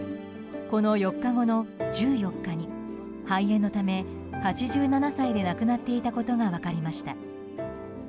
この４日後の１４日に肺炎のため８７歳で亡くなっていたことが分かりました。